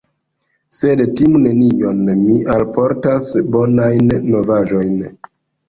Sed timu nenion, mi alportas bonajn novaĵojn.